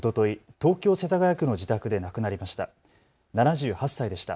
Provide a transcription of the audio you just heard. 東京世田谷区の自宅で亡くなりました。